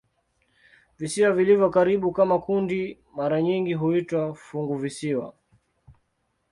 Visiwa vilivyo karibu kama kundi mara nyingi huitwa "funguvisiwa".